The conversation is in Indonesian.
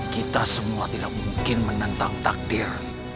kita semua tidak mungkin menentang takdir